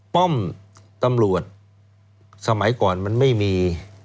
ป้อมตำรวจสมัยก่อนมันไม่มี